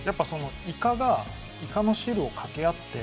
イカがイカの汁を掛け合って。